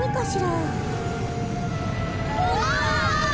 うわ。